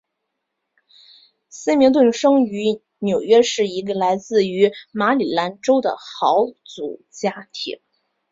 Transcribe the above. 森明顿生于纽约市一个来自于马里兰州的豪族家庭。